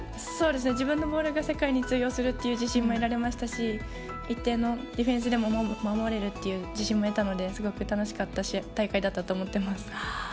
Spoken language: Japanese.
自分のボールが世界に通用するという自信も得られましたしディフェンスでも守れるという自信も得たのですごく楽しかった大会だったと思ってます。